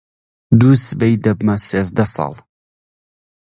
دووسبەی دەبمە سێزدە ساڵ.